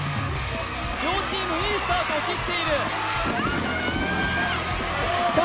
両チームいいスタートを切っている頑張れ！